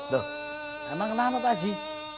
loh emang kenapa pak ji